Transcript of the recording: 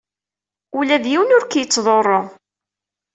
Ula d yiwen ur k-yettḍurru.